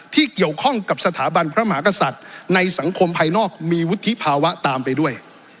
ที่เกี่ยวข้องกับสถาบันพระมหากษัตริย์ในสังคมภายนอกมีวุฒิภาวะตามไปด้วย